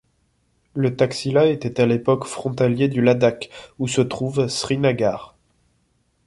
Le Taxila était à l'époque frontalier du Ladakh où se trouve Srinagar.